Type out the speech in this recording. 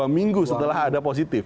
minggu setelah ada positif